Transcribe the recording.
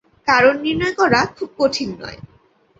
কারণ নির্ণয় করা খুব কঠিন নয়।